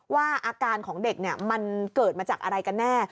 ว่าอาการของเด็กมันเกิดมาจากอะไรกันแน่